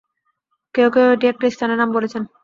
কেউ কেউ এটি একটি স্থানের নাম বলেছেন।